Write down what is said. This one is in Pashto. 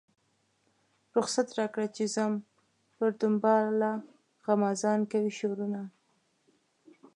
رخصت راکړه چې ځم پر دنباله غمازان کوي شورونه.